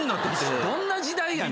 どんな時代やねん。